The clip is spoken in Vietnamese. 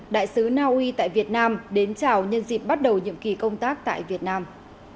đại sứ naui tại việt nam đến chào nhân dịp bắt đầu nhiệm kỳ công tác tại việt nam